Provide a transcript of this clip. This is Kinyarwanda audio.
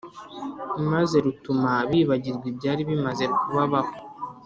maze rutuma bibagirwa ibyari bimaze kubabaho,